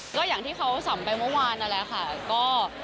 ก็อย่างที่เขาสำไปเมื่อวานนั่นแหละค่ะ